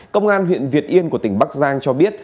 công an huyện việt yên của tỉnh bắc giang cho biết